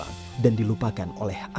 dan juga untuk mengembangkan mereka